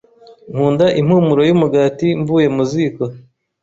Nkunda impumuro yumugati mvuye mu ziko.